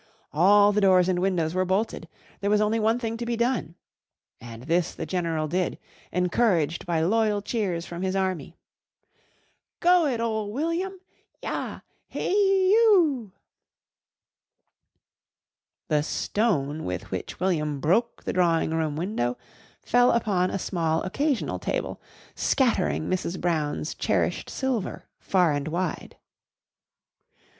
All the doors and windows were bolted. There was only one thing to be done. And this the general did, encouraged by loyal cheers from his army. "Go it, ole William! Yah! He oo o!" The stone with which William broke the drawing room window fell upon a small occasional table, scattering Mrs. Brown's cherished silver far and wide.